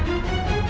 aku akan menang